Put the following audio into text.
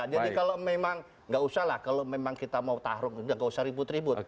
kalau memang nggak usah lah kalau memang kita mau taruh nggak usah ribut ribut